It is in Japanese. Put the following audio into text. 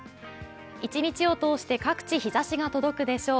一日を通して各地、日ざしが届くでしょう。